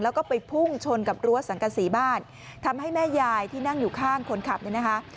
แล้วก็ไปพุ่งชนกับรั้วสังกษีบ้านทำให้แม่ยายที่นั่งอยู่ข้างคนขับเนี่ยนะคะ